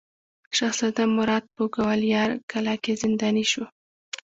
شهزاده مراد په ګوالیار کلا کې زنداني شو.